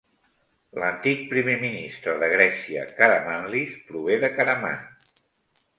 L'antic primer ministre de Grècia, Karamanlis, prové de Karaman.